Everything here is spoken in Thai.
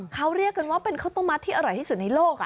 เขาเรียกกันว่าเป็นข้าวต้มมัดที่อร่อยที่สุดในโลก